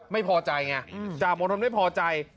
ไม่พอใจไงจ่ามณฑลไม่พอใจ